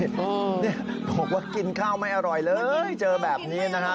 บอกว่ากินข้าวไม่อร่อยเลยเจอแบบนี้นะฮะ